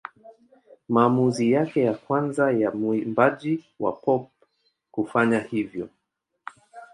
Maamuzi yake ya kwanza ya mwimbaji wa pop kufanya hivyo.